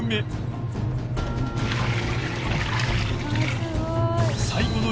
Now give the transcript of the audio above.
すごい。